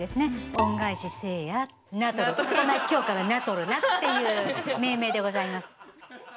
「恩返しせえやナトルお前今日からナトルな」っていう命名でございます。